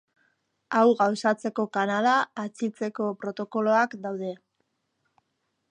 Hau gauzatzeko kanala atzitzeko protokoloak daude.